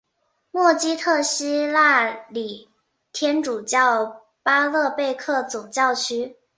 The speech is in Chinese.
默基特希腊礼天主教巴勒贝克总教区。